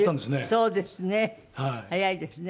そうですね。